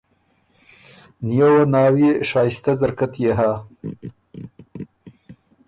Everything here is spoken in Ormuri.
نیووه ناويې شائستۀ ځرکۀ تيې هۀ